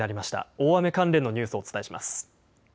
大雨関連のニュースをお伝えします。